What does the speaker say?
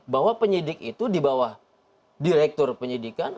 bahwa penyidik itu di bawah direktur penyidikan